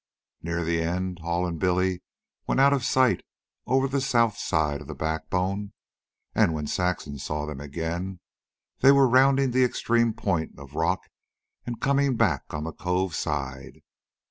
Near the end, Hall and Billy went out of sight over the south side of the backbone, and when Saxon saw them again they were rounding the extreme point of rock and coming back on the cove side.